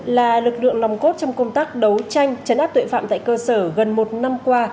là lực lượng nòng cốt trong công tác đấu tranh chấn áp tuệ phạm tại cơ sở gần một năm qua